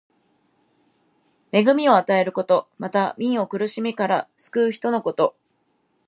恵みを与えること。また、民を苦しみから救う人のこと。